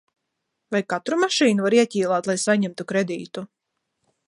Vai katru mašīnu var ieķīlāt, lai saņemtu kredītu?